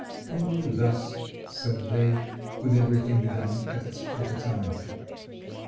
Only thus, said they, could everything be done at its proper time.